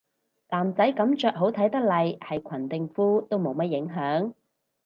男仔噉着好睇得嚟係裙定褲都冇乜影響